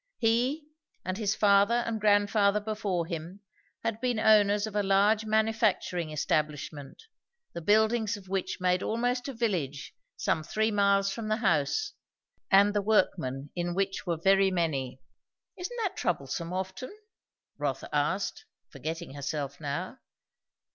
He, and his father and grandfather before him, had been owners of a large manufacturing establishment, the buildings of which made almost a village some three miles from the house, and the workmen in which were very many. "Isn't that troublesome often?" Rotha asked, forgetting herself now.